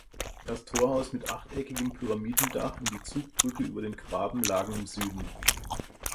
Das Torhaus mit achteckigem Pyramidendach und die Zugbrücke über den Graben lagen im Süden.